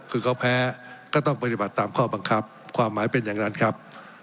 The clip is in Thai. คือเขาแพ้ก็ต้องปฏิบัติตามข้อบังคับความหมายเป็นอย่างนั้นครับ